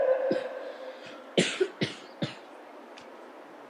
Později byl vysvěcen na kněze a po několika dalších letech na biskupa.